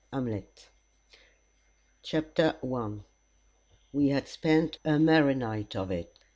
Hamlet. CHAPTER I We had spent a merry night of it.